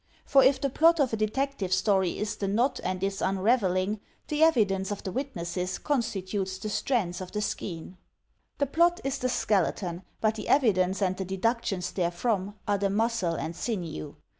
For if the plot of a detective story is the knot and its unraveling, the evidence of the witnesses constitutes the strands of the skein. The plot is the skeleton, but the evidence and the deduc tions therefrom are the muscle and sinew.